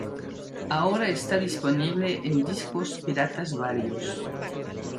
Ahora está disponible en discos piratas varios.